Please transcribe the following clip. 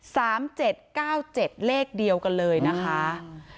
เจ็ดเก้าเจ็ดเลขเดียวกันเลยนะคะ